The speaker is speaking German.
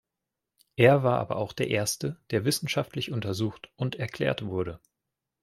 Er war aber auch der erste, der wissenschaftlich untersucht und erklärt wurde.